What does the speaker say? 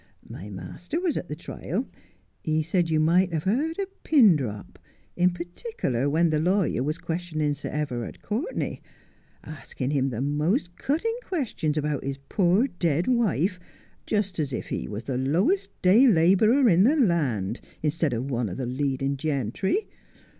My master was at the trial — he said you might have heard a pin drop, in particular when the lawyer was questioning Sir Everard Courtenay, asking him the most cutting questions about his poor dead wife, just as if he was the lowest day labourer in the land, instead of one of the leading gentry.